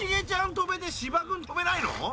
跳べて芝君跳べないの？